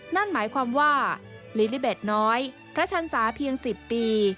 นั่นหมายความว่าลิลิเบตน้อยพระชันศาเพียง๑๐ปี